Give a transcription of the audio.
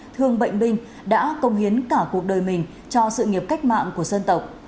thương bệnh binh đã công hiến cả cuộc đời mình cho sự nghiệp cách mạng của dân tộc